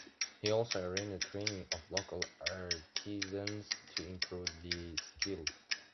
He also arranged training of local artisans to improve the skill.